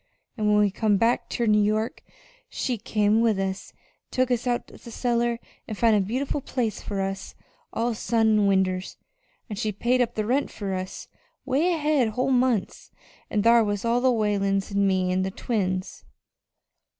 An' when we come back ter New York she come with us an' took us out of the cellar an' found a beautiful place fur us, all sun an' winders, an' she paid up the rent fur us 'way ahead whole months. An' thar was all the Whalens an' me an' the twins."